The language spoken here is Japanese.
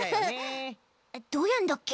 どうやんだっけ？